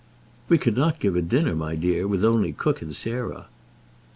"We cannot give a dinner, my dear, with only cook and Sarah."